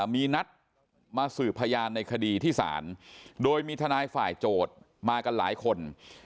มีนัดมาสืบพยานในคดีที่ศาลโดยมีทนายฝ่ายโจทย์มากันหลายคน